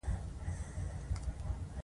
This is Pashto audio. مړتا خپل نشي ساتلی.